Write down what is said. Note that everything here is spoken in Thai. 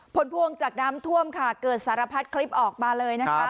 พวงจากน้ำท่วมค่ะเกิดสารพัดคลิปออกมาเลยนะคะ